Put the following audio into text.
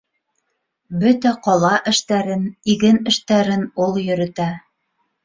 Бөтә ҡала эштәрен, иген эштәрен ул йөрөтә.